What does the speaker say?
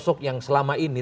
sosok yang selama ini